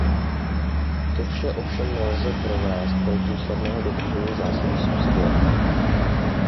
To vše ovšem nelze provést bez důsledného dodržování zásady subsidiarity.